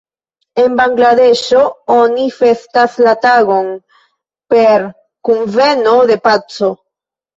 En Bangladeŝo oni festas la tagon per Kunveno de Paco.